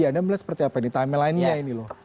anda melihat seperti apa ini time lainnya ini loh